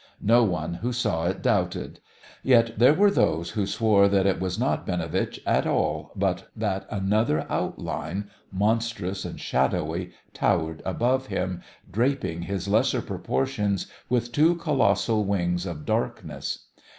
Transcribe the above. No one who saw it doubted. Yet there were those who swore that it was not Binovitch at all, but that another outline, monstrous and shadowy, towered above him, draping his lesser proportions with two colossal wings of darkness.